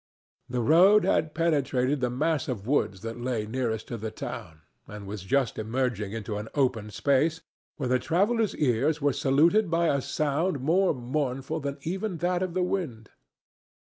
The road had penetrated the mass of woods that lay nearest to the town, and was just emerging into an open space, when the traveller's ears were saluted by a sound more mournful than even that of the wind.